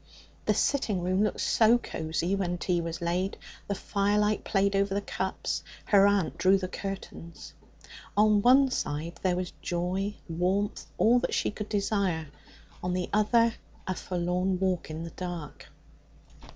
The sitting room looked so cosy when tea was laid; the firelight played over the cups; her aunt drew the curtains. On one side there was joy, warmth all that she could desire; on the other, a forlorn walk in the dark.